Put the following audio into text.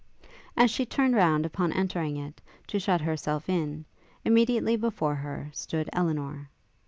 As she turned round upon entering it, to shut herself in, immediately before her stood Elinor.